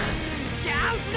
チャンスだ！